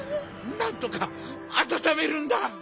なんとかあたためるんだ！